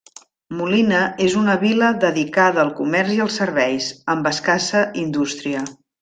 Molina és una vila dedicada al comerç i als serveis, amb escassa indústria.